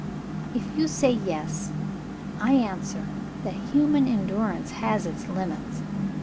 "If you say Yes, I answer that human endurance has its limits.